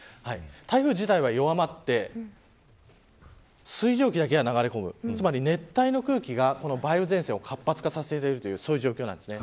台風自体は弱まって水蒸気だけが流れ込むつまり熱帯の空気が梅雨前線を活発化させているという状況です。